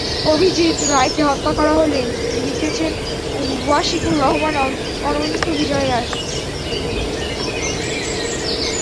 অভিজিৎ রায়কে হত্যা করা হলে লিখেছেন ওয়াশিকুর রহমান, অনন্ত বিজয় দাশ।